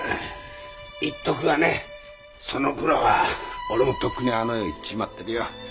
言っとくがねそのころは俺もとっくにあの世へ逝っちまってるよ。